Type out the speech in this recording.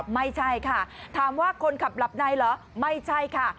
ไม่ใช่ค่ะถามว่าคนขับหลับในเหรอไม่ใช่ค่ะ